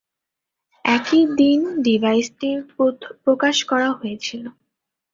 একই দিন ডিভাইসটি প্রকাশ করা হয়েছিল।